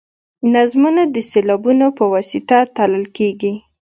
نظمونه د سېلابونو په واسطه تلل کیږي.